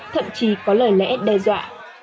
thậm chí có lời lẽ đe dọa